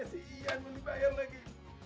si ian mau dibayar lagi